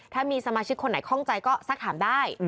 ถ้ามีสมาชิกคนไหนคล่องใจก็สักถามได้